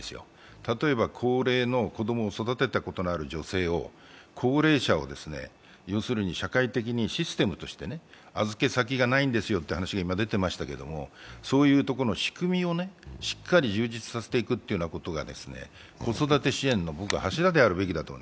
例えば高齢の子供を育てたことのある女性を、高齢者を社会的にシステムとして預け先がないという話が今、出てましたけどそういうところの仕組みをしっかり充実させていくことが子育て支援の柱であるべきだと思う。